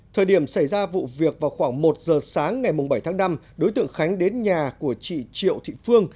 thời điểm xảy ra vụ việc vào khoảng một giờ sáng ngày bảy tháng năm đối tượng khánh đến nhà của chị triệu thị phương